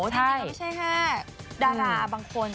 ไม่ใช่แค่ดาราบางคน